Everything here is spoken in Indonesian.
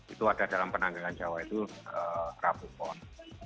itu ada dalam penanggangan jawa itu rabu pon